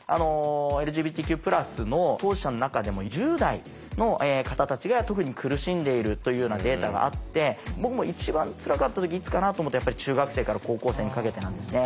ＬＧＢＴＱ＋の当事者の中でも１０代の方たちが特に苦しんでいるというようなデータがあって僕も一番つらかった時いつかなと思ったらやっぱり中学生から高校生にかけてなんですね。